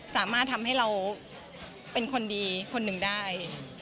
สามารถทำให้เราเป็นคนดีคนหนึ่งได้